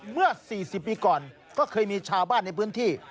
เมื่อ๔๐ปีก่อนก็เคยมีชาวบ้านในพื้นที่